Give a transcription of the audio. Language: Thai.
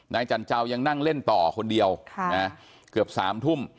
จันเจ้ายังนั่งเล่นต่อคนเดียวเกือบ๓ทุ่ม